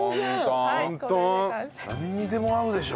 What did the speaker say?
なんにでも合うでしょ。